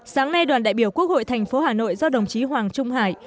sáng nay đoàn đại biểu quốc hội tp hà nội do đồng chí hoàng trung hải